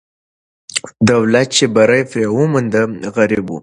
دولت چې بری پرې وموند، غربي وو.